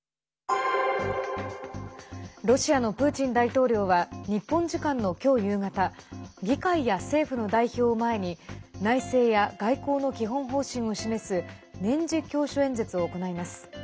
ロシアのプーチン大統領は日本時間の今日夕方議会や政府の代表を前に内政や外交の基本方針を示す年次教書演説を行います。